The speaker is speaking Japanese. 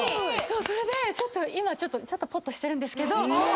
それで今ちょっとぽっとしてるんですけど。